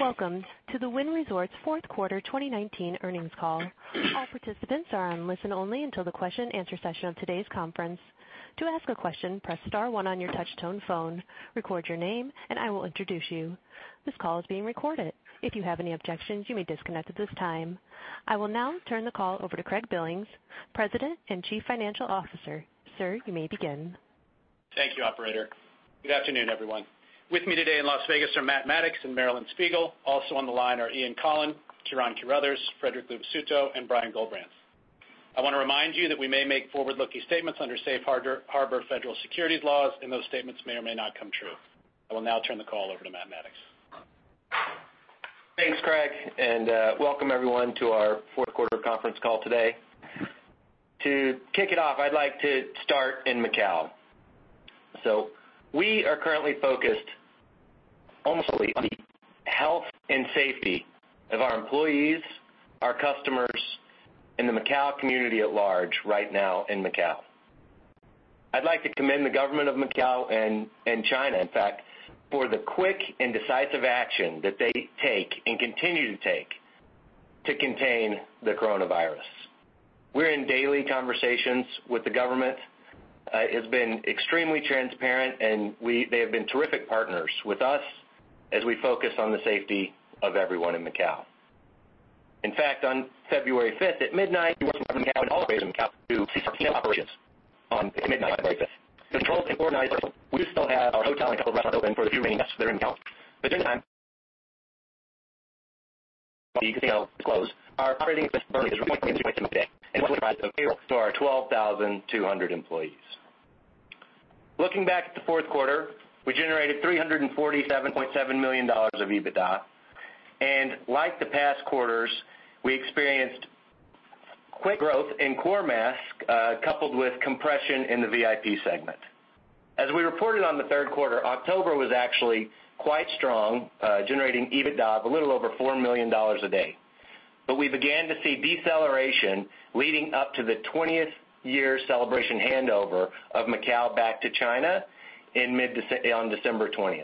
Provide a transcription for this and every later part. Welcome to the Wynn Resorts fourth quarter 2019 earnings call. All participants are on listen only until the question answer session of today's conference. To ask a question, press star one on your touchtone phone, record your name, and I will introduce you. This call is being recorded. If you have any objections, you may disconnect at this time. I will now turn the call over to Craig Billings, President and Chief Financial Officer. Sir, you may begin. Thank you, operator. Good afternoon, everyone. With me today in Las Vegas are Matt Maddox and Marilyn Spiegel. Also on the line are Ian Coughlan, Ciaran Carruthers, Frederic Luvisutto, and Brian Gullbrants. I want to remind you that we may make forward-looking statements under Safe Harbor Federal Securities laws, and those statements may or may not come true. I will now turn the call over to Matt Maddox. Thanks, Craig, welcome everyone to our fourth quarter conference call today. To kick it off, I'd like to start in Macau. We are currently focused almost solely on the health and safety of our employees, our customers, and the Macau community at large right now in Macau. I'd like to commend the government of Macau and China, in fact, for the quick and decisive action that they take and continue to take to contain the coronavirus. We're in daily conversations with the government. It has been extremely transparent, and they have been terrific partners with us as we focus on the safety of everyone in Macau. On February 5th at midnight, we worked with the government of Macau and all operators in Macau to cease our Macau operations on midnight, February 5th. It was a controlled and organized closure. We do still have our hotel and a couple of restaurants open for the few remaining guests that are in Macau. During the time the casino is closed, our operating expense currently is $2.3 million a day and much of it applies to payroll for our 12,200 employees. Looking back at the fourth quarter, we generated $347.7 million of EBITDA, and like the past quarters, we experienced quick growth in core mass, coupled with compression in the VIP segment. As we reported on the third quarter, October was actually quite strong, generating EBITDA of a little over $4 million a day. We began to see deceleration leading up to the 20th-year celebration handover of Macau back to China on December 20th,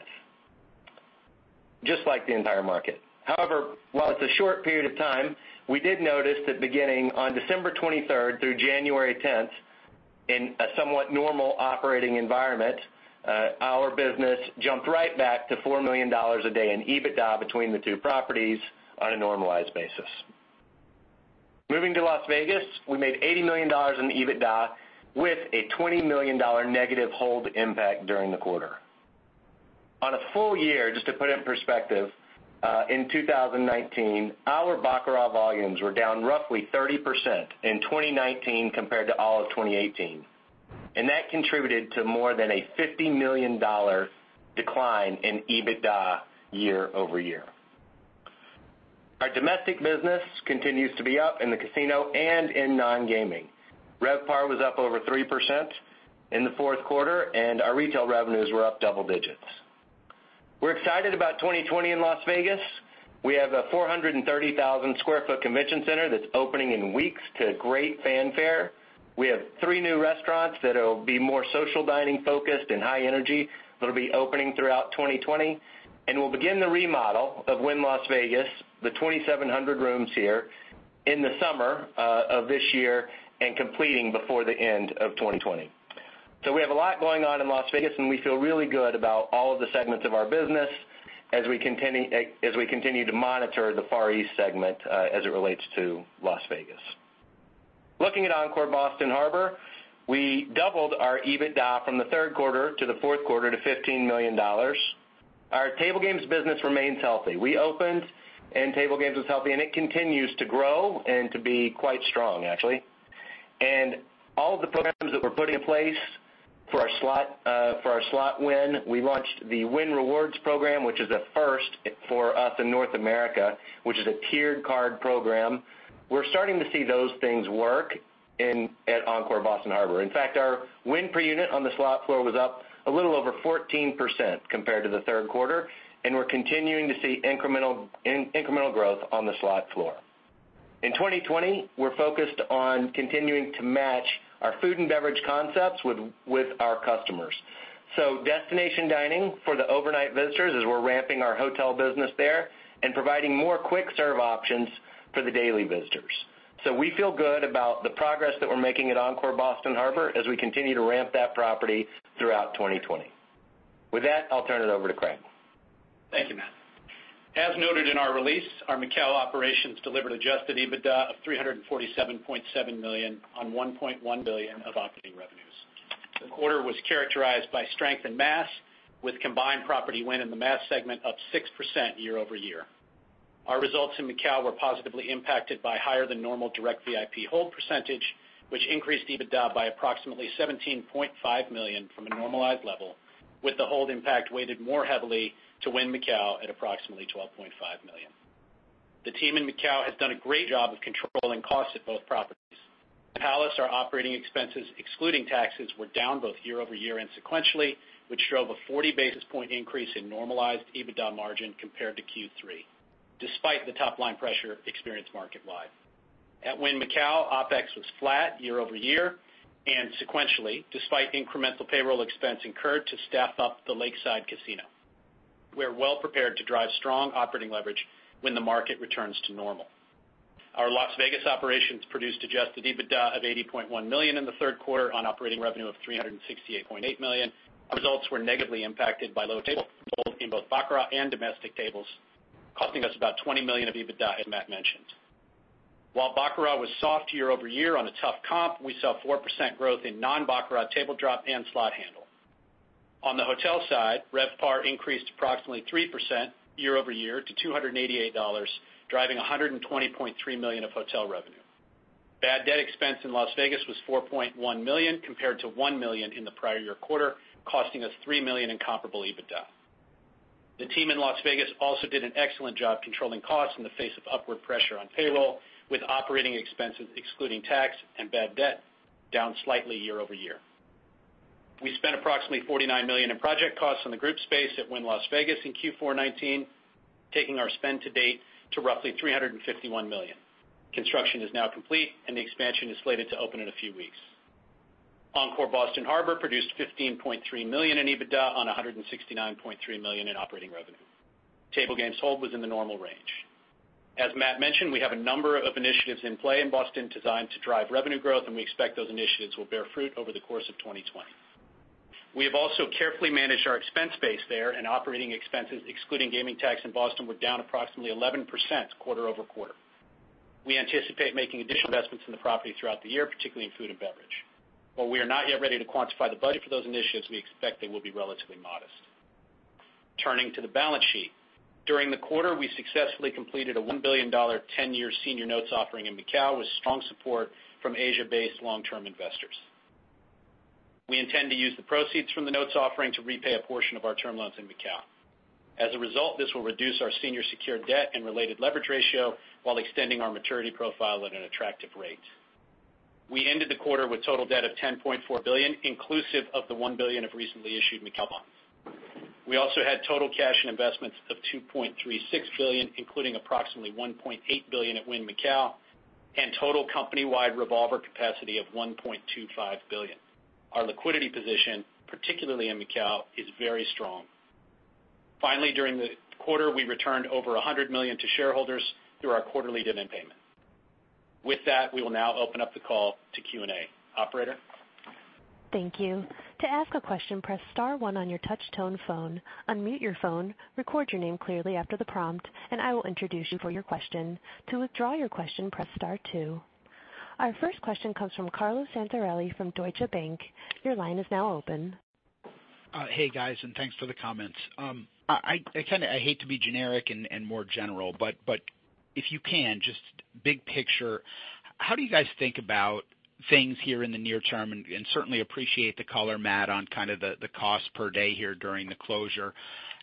just like the entire market. However, while it's a short period of time, we did notice that beginning on December 23rd through January 10th, in a somewhat normal operating environment, our business jumped right back to $4 million a day in EBITDA between the two properties on a normalized basis. Moving to Las Vegas, we made $80 million in EBITDA with a $20 million negative hold impact during the quarter. On a full year, just to put it in perspective, in 2019, our baccarat volumes were down roughly 30% in 2019 compared to all of 2018. That contributed to more than a $50 million decline in EBITDA year-over-year. Our domestic business continues to be up in the casino and in non-gaming. RevPAR was up over 3% in the fourth quarter, and our retail revenues were up double digits. We're excited about 2020 in Las Vegas. We have a 430,000 sq ft convention center that's opening in weeks to great fanfare. We have three new restaurants that'll be more social dining-focused and high energy that'll be opening throughout 2020. We'll begin the remodel of Wynn Las Vegas, the 2,700 rooms here in the summer of this year and completing before the end of 2020. We have a lot going on in Las Vegas, and we feel really good about all of the segments of our business as we continue to monitor the Far East segment as it relates to Las Vegas. Looking at Encore Boston Harbor, we doubled our EBITDA from the third quarter to the fourth quarter to $15 million. Our table games business remains healthy. We opened and table games was healthy, and it continues to grow and to be quite strong, actually. All of the programs that we're putting in place for our slot win, we launched the Wynn Rewards program, which is a first for us in North America, which is a tiered card program. We're starting to see those things work at Encore Boston Harbor. In fact, our win per unit on the slot floor was up a little over 14% compared to the third quarter, and we're continuing to see incremental growth on the slot floor. In 2020, we're focused on continuing to match our food and beverage concepts with our customers. Destination dining for the overnight visitors as we're ramping our hotel business there and providing more quick-serve options for the daily visitors. We feel good about the progress that we're making at Encore Boston Harbor as we continue to ramp that property throughout 2020. With that, I'll turn it over to Craig. Thank you, Matt. As noted in our release, our Macau operations delivered adjusted EBITDA of $347.7 million on $1.1 billion of operating revenues. The quarter was characterized by strength in mass, with combined property win in the mass segment up 6% year-over-year. Our results in Macau were positively impacted by higher than normal direct VIP hold percentage, which increased EBITDA by approximately $17.5 million from a normalized level, with the hold impact weighted more heavily to Wynn Macau at approximately $12.5 million. The team in Macau has done a great job of controlling costs at both properties. At Palace, our operating expenses excluding taxes were down both year-over-year and sequentially, which drove a 40 basis point increase in normalized EBITDA margin compared to Q3, despite the top-line pressure experienced market-wide. At Wynn Macau, OpEx was flat year-over-year and sequentially, despite incremental payroll expense incurred to staff up the Lakeside Casino. We are well prepared to drive strong operating leverage when the market returns to normal. Our Las Vegas operations produced adjusted EBITDA of $80.1 million in the third quarter on operating revenue of $368.8 million. Our results were negatively impacted by low table hold in both baccarat and domestic tables, costing us about $20 million of EBITDA, as Matt mentioned. While baccarat was soft year-over-year on a tough comp, we saw 4% growth in non-baccarat table drop and slot handle. On the hotel side, RevPAR increased approximately 3% year-over-year to $288, driving $120.3 million of hotel revenue. Bad debt expense in Las Vegas was $4.1 million compared to $1 million in the prior year quarter, costing us $3 million in comparable EBITDA. The team in Las Vegas also did an excellent job controlling costs in the face of upward pressure on payroll, with operating expenses excluding tax and bad debt down slightly year-over-year. We spent approximately $49 million in project costs on the group space at Wynn Las Vegas in Q4 2019, taking our spend to date to roughly $351 million. Construction is now complete, and the expansion is slated to open in a few weeks. Encore Boston Harbor produced $15.3 million in EBITDA on $169.3 million in operating revenue. Table games hold was in the normal range. As Matt mentioned, we have a number of initiatives in play in Boston designed to drive revenue growth, and we expect those initiatives will bear fruit over the course of 2020. We have also carefully managed our expense base there, and operating expenses excluding gaming tax in Boston were down approximately 11% quarter-over-quarter. We anticipate making additional investments in the property throughout the year, particularly in food and beverage. While we are not yet ready to quantify the budget for those initiatives, we expect they will be relatively modest. Turning to the balance sheet. During the quarter, we successfully completed a $1 billion 10-year senior notes offering in Macau with strong support from Asia-based long-term investors. We intend to use the proceeds from the notes offering to repay a portion of our term loans in Macau. As a result, this will reduce our senior secured debt and related leverage ratio while extending our maturity profile at an attractive rate. We ended the quarter with total debt of $10.4 billion, inclusive of the $1 billion of recently issued Macau bonds. We also had total cash and investments of $2.36 billion, including approximately $1.8 billion at Wynn Macau and total company-wide revolver capacity of $1.25 billion. Our liquidity position, particularly in Macau, is very strong. Finally, during the quarter, we returned over $100 million to shareholders through our quarterly dividend payment. With that, we will now open up the call to Q&A. Operator? Thank you. To ask a question, press star one on your touch tone phone, unmute your phone, record your name clearly after the prompt, and I will introduce you for your question. To withdraw your question, press star two. Our first question comes from Carlo Santarelli from Deutsche Bank. Your line is now open. Hey, guys. Thanks for the comments. I hate to be generic and more general, but if you can, just big picture, how do you guys think about things here in the near term? Certainly appreciate the color, Matt, on the cost per day here during the closure.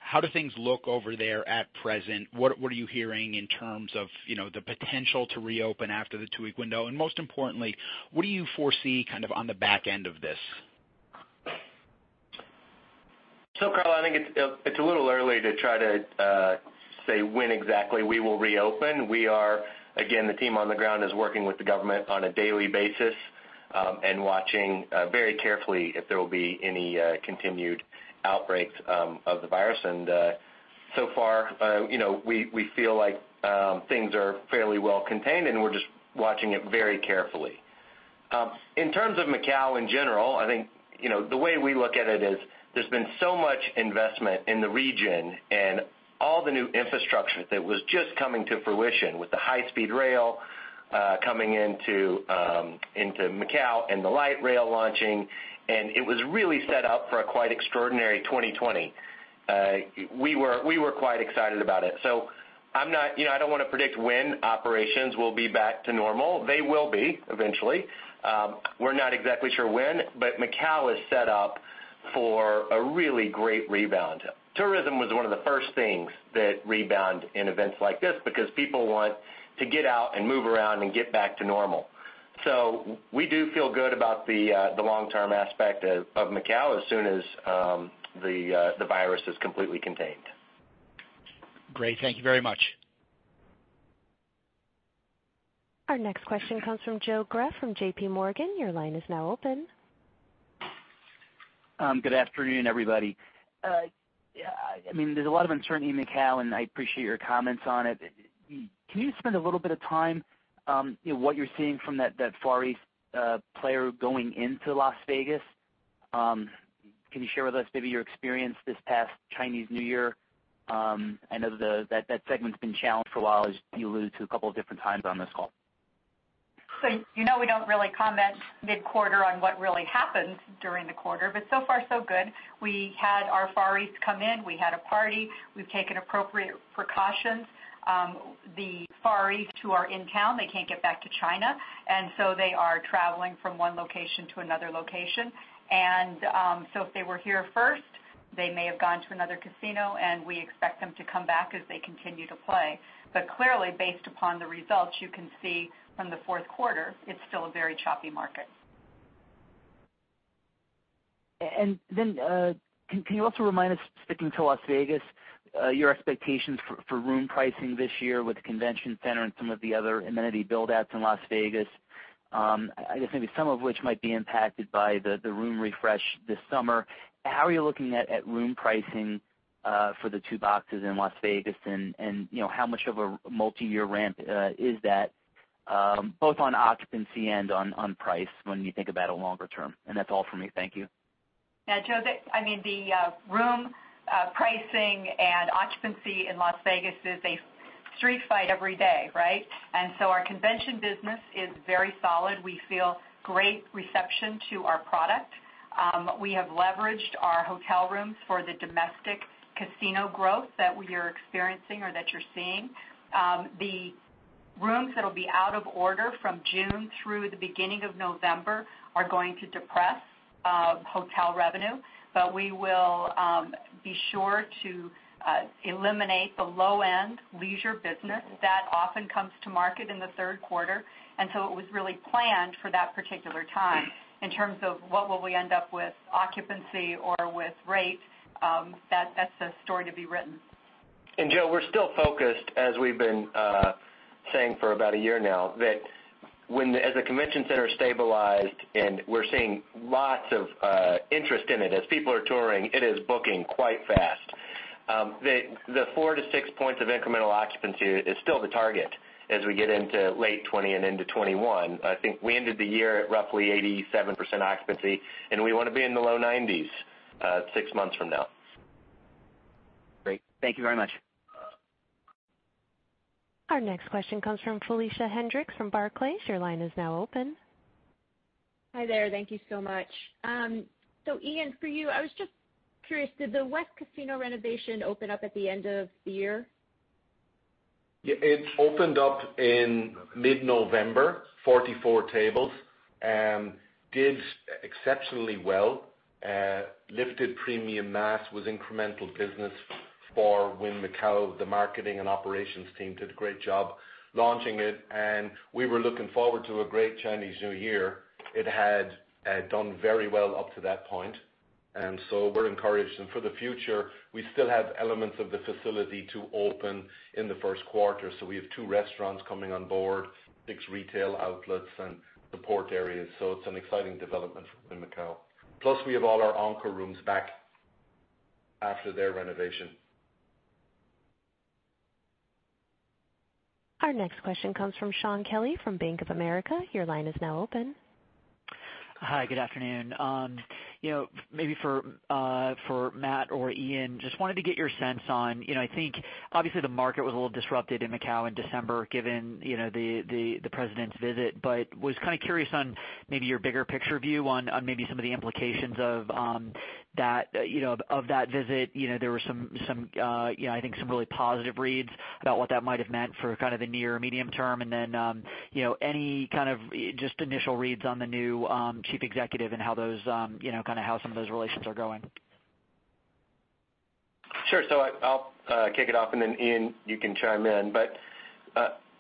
How do things look over there at present? What are you hearing in terms of the potential to reopen after the two-week window? Most importantly, what do you foresee on the back end of this? Carlo, I think it's a little early to try to say when exactly we will reopen. Again, the team on the ground is working with the government on a daily basis and watching very carefully if there will be any continued outbreaks of the virus. So far, we feel like things are fairly well contained, and we're just watching it very carefully. In terms of Macau in general, I think, the way we look at it is there's been so much investment in the region and all the new infrastructure that was just coming to fruition with the high-speed rail coming into Macau and the light rail launching, and it was really set up for a quite extraordinary 2020. We were quite excited about it. I don't want to predict when operations will be back to normal. They will be eventually. We're not exactly sure when, but Macau is set up for a really great rebound. Tourism was one of the first things that rebound in events like this because people want to get out and move around and get back to normal. We do feel good about the long-term aspect of Macau as soon as the virus is completely contained. Great. Thank you very much. Our next question comes from Joe Greff from JPMorgan. Your line is now open. Good afternoon, everybody. There's a lot of uncertainty in Macau, and I appreciate your comments on it. Can you spend a little bit of time, what you're seeing from that Far East player going into Las Vegas? Can you share with us maybe your experience this past Chinese New Year? I know that segment's been challenged for a while, as you allude to a couple of different times on this call. You know we don't really comment mid-quarter on what really happened during the quarter, but so far so good. We had our Far East come in. We had a party. We've taken appropriate precautions. The Far East who are in town, they can't get back to China, they are traveling from one location to another location. If they were here first, they may have gone to another casino, and we expect them to come back as they continue to play. Clearly, based upon the results you can see from the fourth quarter, it's still a very choppy market. Can you also remind us, sticking to Las Vegas, your expectations for room pricing this year with the convention center and some of the other amenity build-outs in Las Vegas? I guess maybe some of which might be impacted by the room refresh this summer. How are you looking at room pricing for the two boxes in Las Vegas, and how much of a multi-year ramp is that both on occupancy and on price when you think about it longer term? That's all for me. Thank you. Yeah, Joe, the room pricing and occupancy in Las Vegas is a street fight every day, right? Our convention business is very solid. We feel great reception to our product. We have leveraged our hotel rooms for the domestic casino growth that we are experiencing or that you're seeing. The rooms that'll be out of order from June through the beginning of November are going to depress hotel revenue. We will be sure to eliminate the low-end leisure business that often comes to market in the third quarter. It was really planned for that particular time. In terms of what will we end up with occupancy or with rates, that's a story to be written. Joe, we're still focused, as we've been saying for about a year now, that as the convention center stabilized, and we're seeing lots of interest in it as people are touring, it is booking quite fast. The four to six points of incremental occupancy is still the target as we get into late 2020 and into 2021. I think we ended the year at roughly 87% occupancy, and we want to be in the low 90s six months from now. Great. Thank you very much. Our next question comes from Felicia Hendrix from Barclays. Your line is now open. Hi there. Thank you so much. Ian, for you, I was just curious, did the West Casino renovation open up at the end of the year? Yeah, it opened up in mid-November, 44 tables, and did exceptionally well. Lifted premium mass was incremental business for Wynn Macau. The marketing and operations team did a great job launching it. We were looking forward to a great Chinese New Year. It had done very well up to that point. We're encouraged. For the future, we still have elements of the facility to open in the first quarter. We have two restaurants coming on board, six retail outlets, and support areas. It's an exciting development for Wynn Macau. Plus, we have all our Encore rooms back after their renovation. Our next question comes from Shaun Kelley from Bank of America. Your line is now open. Hi, good afternoon. Maybe for Matt or Ian, just wanted to get your sense on, I think obviously the market was a little disrupted in Macau in December, given the president's visit. Was kind of curious on maybe your bigger picture view on maybe some of the implications of that visit. There were, I think, some really positive reads about what that might have meant for kind of the near medium term, and then, any kind of just initial reads on the new chief executive and how some of those relations are going. Sure. I'll kick it off, and then Ian, you can chime in.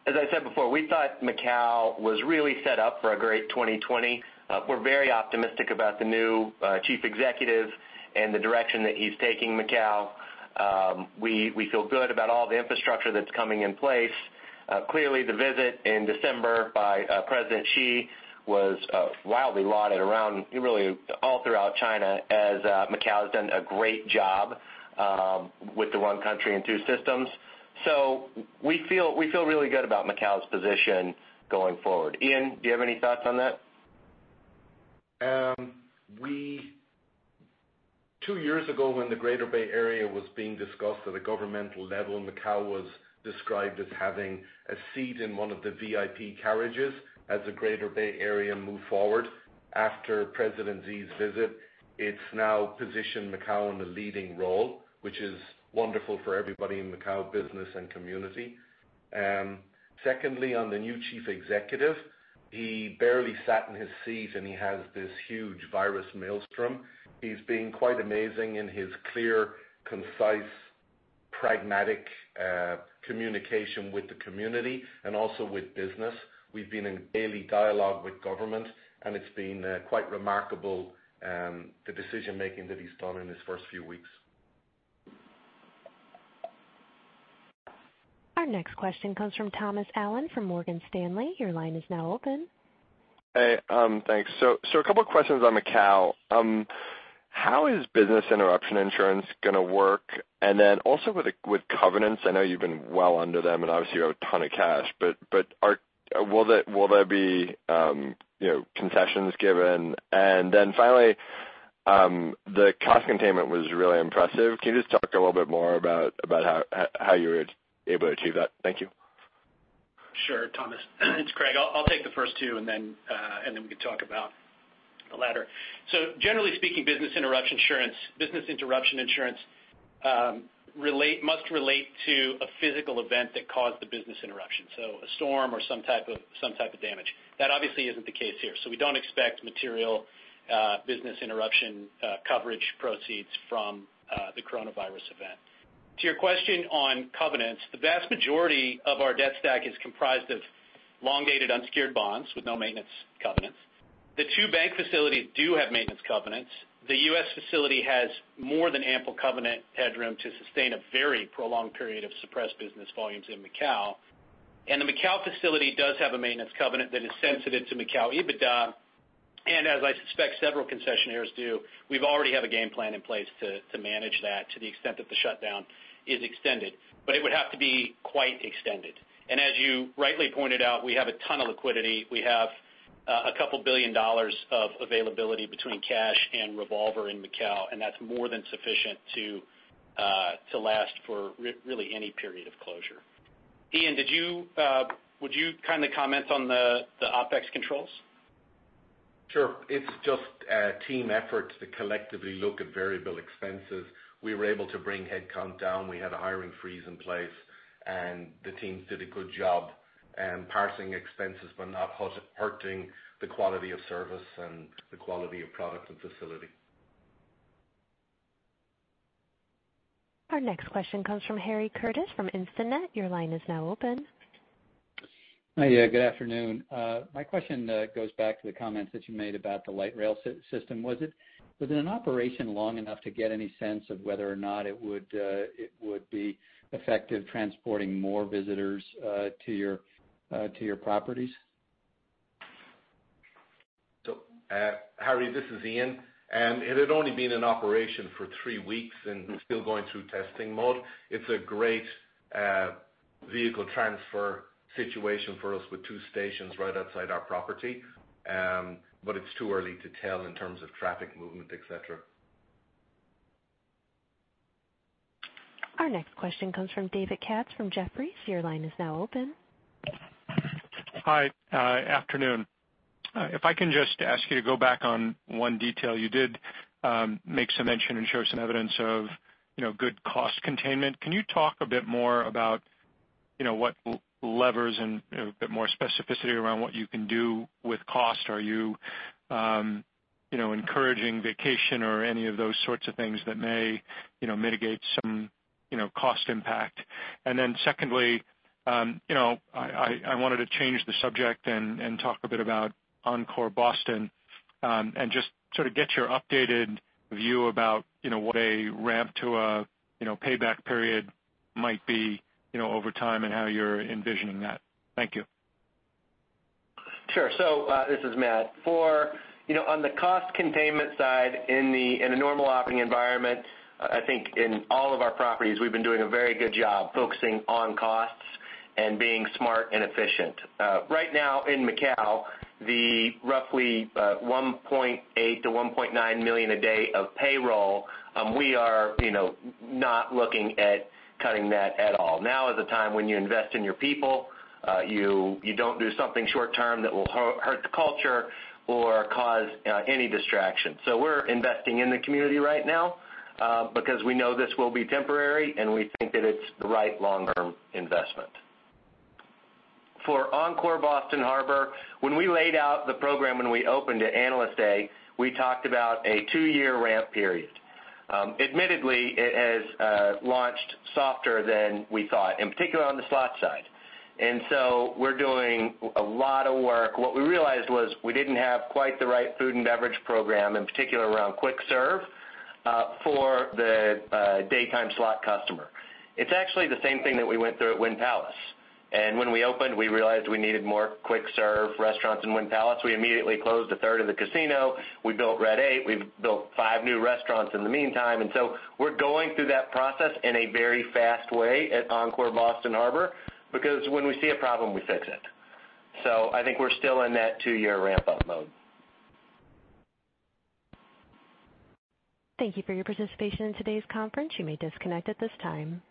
As I said before, we thought Macau was really set up for a great 2020. We're very optimistic about the new chief executive and the direction that he's taking Macau. We feel good about all the infrastructure that's coming in place. Clearly, the visit in December by President Xi was wildly lauded around, really all throughout China, as Macau has done a great job with the one country and two systems. We feel really good about Macau's position going forward. Ian, do you have any thoughts on that? Two years ago when the Greater Bay Area was being discussed at a governmental level, and Macau was described as having a seat in one of the VIP carriages as the Greater Bay Area moved forward. After President Xi's visit, it's now positioned Macau in a leading role, which is wonderful for everybody in Macau business and community. Secondly, on the new chief executive, he barely sat in his seat, and he has this huge virus maelstrom. He's been quite amazing in his clear, concise, pragmatic communication with the community and also with business. We've been in daily dialogue with government, and it's been quite remarkable the decision-making that he's done in his first few weeks. Our next question comes from Thomas Allen from Morgan Stanley. Your line is now open. Hey, thanks. A couple questions on Macau. How is business interruption insurance going to work? With covenants, I know you've been well under them, you have a ton of cash, will there be concessions given? Finally, the cost containment was really impressive. Can you just talk a little bit more about how you were able to achieve that? Thank you. Sure, Thomas. It's Craig. I'll take the first two, and then we can talk about the latter. Generally speaking, business interruption insurance must relate to a physical event that caused the business interruption, so a storm or some type of damage. That obviously isn't the case here. We don't expect material business interruption coverage proceeds from the coronavirus event. To your question on covenants, the vast majority of our debt stack is comprised of long-dated unsecured bonds with no maintenance covenants. The two bank facilities do have maintenance covenants. The U.S. facility has more than ample covenant headroom to sustain a very prolonged period of suppressed business volumes in Macau. The Macau facility does have a maintenance covenant that is sensitive to Macau EBITDA. As I suspect several concessionaires do, we already have a game plan in place to manage that to the extent that the shutdown is extended. It would have to be quite extended. As you rightly pointed out, we have a ton of liquidity. We have a couple billion dollars of availability between cash and revolver in Macau, and that's more than sufficient to last for really any period of closure. Ian, would you kindly comment on the OpEx controls? Sure. It's just a team effort to collectively look at variable expenses. We were able to bring headcount down. We had a hiring freeze in place, and the teams did a good job parsing expenses, but not hurting the quality of service and the quality of product and facility. Our next question comes from Harry Curtis from Instinet. Your line is now open. Hi. Good afternoon. My question goes back to the comments that you made about the light rail system. Was it in operation long enough to get any sense of whether or not it would be effective transporting more visitors to your properties? Harry, this is Ian. It had only been in operation for three weeks and still going through testing mode. It's a great vehicle transfer situation for us with two stations right outside our property. It's too early to tell in terms of traffic movement, et cetera. Our next question comes from David Katz from Jefferies. Your line is now open. Hi. Afternoon. If I can just ask you to go back on one detail. You did make some mention and show some evidence of good cost containment. Can you talk a bit more about what levers and a bit more specificity around what you can do with cost? Are you encouraging vacation or any of those sorts of things that may mitigate some cost impact? Then secondly, I wanted to change the subject and talk a bit about Encore Boston, and just sort of get your updated view about what a ramp to a payback period might be over time, and how you're envisioning that. Thank you. Sure. This is Matt. On the cost containment side, in a normal operating environment, I think in all of our properties, we've been doing a very good job focusing on costs and being smart and efficient. Right now in Macau, the roughly $1.8 million-$1.9 million a day of payroll, we are not looking at cutting that at all. Now is the time when you invest in your people. You don't do something short-term that will hurt the culture or cause any distraction. We're investing in the community right now because we know this will be temporary, and we think that it's the right long-term investment. For Encore Boston Harbor, when we laid out the program when we opened at Analyst Day, we talked about a two-year ramp period. Admittedly, it has launched softer than we thought, in particular on the slot side. We're doing a lot of work. What we realized was we didn't have quite the right food and beverage program, in particular around quick serve, for the daytime slot customer. It's actually the same thing that we went through at Wynn Palace. When we opened, we realized we needed more quick-serve restaurants in Wynn Palace. We immediately closed a third of the casino. We built Red 8. We've built five new restaurants in the meantime. We're going through that process in a very fast way at Encore Boston Harbor because when we see a problem, we fix it. I think we're still in that two-year ramp-up mode. Thank you for your participation in today's conference. You may disconnect at this time.